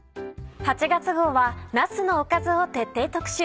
８月号はなすのおかずを徹底特集。